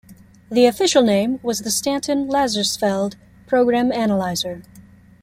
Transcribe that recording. The official name was the Stanton-Lazarsfeld Program Analyzer.